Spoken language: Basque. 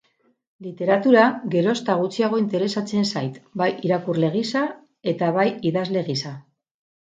Literatura geroz eta gutxiago interesatzen zait, bai irakurle gisa, eta bai idazle gisa.